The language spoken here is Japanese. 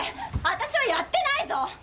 私はやってないぞ！